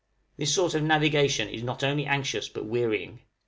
This sort of navigation is not only anxious, but wearying.